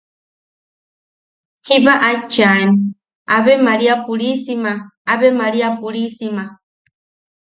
Jiba aet chaen: –¡Ave María purísima! ¡Ave María purísima!